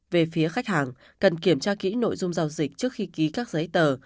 về phía khách hàng cần kiểm tra kỹ nội dung giao dịch trước khi ký các giấy tờ